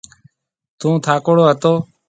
ٿُون ٿاڪوڙو هتو۔